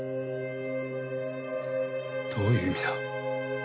どういう意味だ？